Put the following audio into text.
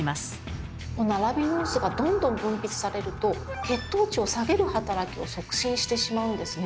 このアラビノースがどんどん分泌されると血糖値を下げる働きを促進してしまうんですね。